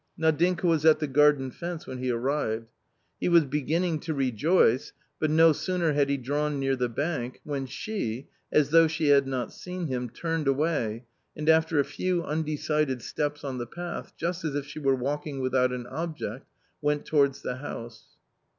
Nadinka was at the garden fence when he arrived. He was beginning to rejoice, but no sooner had he drawn near the bank, when she, as though she had not seen him, turned away and after a few undecided steps on the path just as if she were walking without an object, went towards the house.